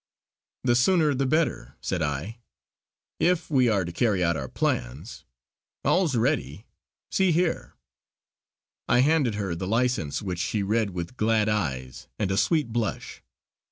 "The sooner the better" said I "If we are to carry out our plans. All's ready; see here" I handed her the license which she read with glad eyes and a sweet blush.